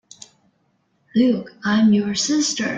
Luke, I am your sister!